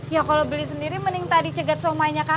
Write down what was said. ya kalau beli sendiri mending tadi cegat so my nya kakak